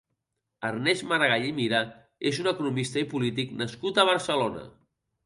Ernest Maragall i Mira és un economista i polític nascut a Barcelona.